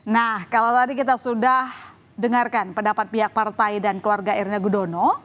nah kalau tadi kita sudah dengarkan pendapat pihak partai dan keluarga irna gudono